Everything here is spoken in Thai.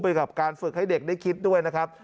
กับการฝึกให้เด็กได้คิดด้วยนะครับ